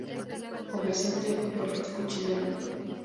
Comerciante y político chileno.